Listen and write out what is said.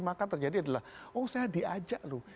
maka terjadi adalah oh saya diajak loh